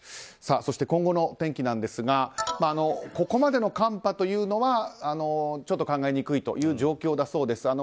そして今後の天気ですがここまでの寒波というのはちょっと考えにくい状況だそうです。